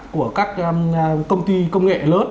của các công ty công nghệ lớn